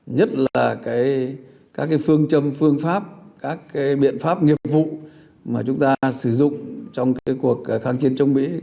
nhất là cái các cái phương châm phương pháp các cái biện pháp nghiệp vụ mà chúng ta sử dụng trong cái cuộc kháng chiến chống mỹ